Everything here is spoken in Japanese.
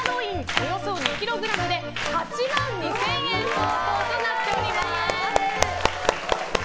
およそ２ｋｇで８万２０００円相当となります。